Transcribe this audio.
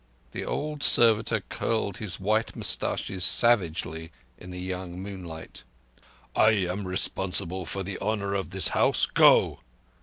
The old servitor curled his white moustaches savagely in the young moonlight. "I am responsible for the honour of this house. Go!"